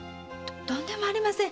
とんでもありません